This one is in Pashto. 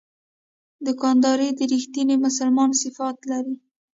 دوکاندار د رښتیني مسلمان صفات لري.